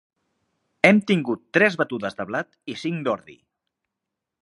Hem tingut tres batudes de blat i cinc d'ordi.